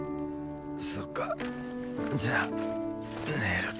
そっかじゃあ寝るかな。